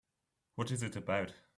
What is it about?